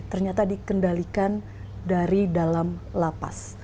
ternyata dikendalikan dari dalam lapas